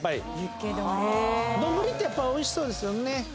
丼やっぱおいしそうですよね。